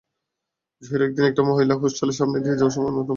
জহির একদিন একটা মহিলা হোস্টেলের সামনে দিয়ে যাওয়ার সময় নতুন ফন্দি করে।